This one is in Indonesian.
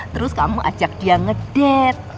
terus kamu ajak dia ngedet